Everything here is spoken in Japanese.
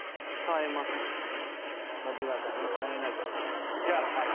出川さんが変えなければ。